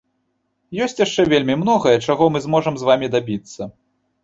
Ёсць яшчэ вельмі многае, чаго мы зможам з вамі дабіцца.